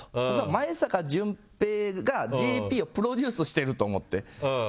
前坂淳平がＪＰをプロデュースしてると思って。